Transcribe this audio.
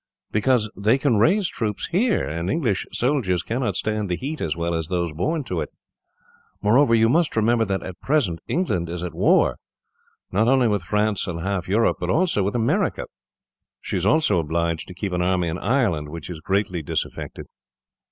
"Because they can raise troops here, and English soldiers cannot stand the heat as well as those born to it. Moreover, you must remember that, at present, England is at war, not only with France and half Europe, but also with America. She is also obliged to keep an army in Ireland, which is greatly disaffected.